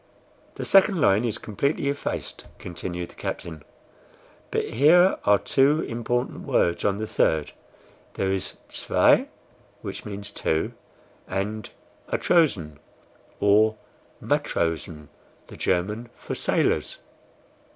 "The second line is completely effaced," continued the Captain; "but here are two important words on the third. There is ZWEI, which means TWO, and ATROSEN or MATROSEN, the German for SAILORS."